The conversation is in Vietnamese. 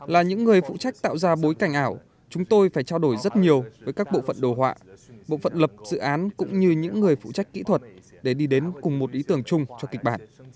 là những người phụ trách tạo ra bối cảnh ảo chúng tôi phải trao đổi rất nhiều với các bộ phận đồ họa bộ phận lập dự án cũng như những người phụ trách kỹ thuật để đi đến cùng một ý tưởng chung cho kịch bản